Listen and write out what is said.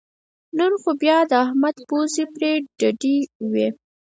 نن خو بیا د احمد پوزې پرې ډډې وې